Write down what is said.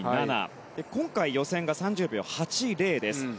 今回、予選が３０秒８０です。